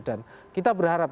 dan kita berharap